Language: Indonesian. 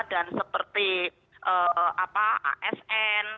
dan seperti asn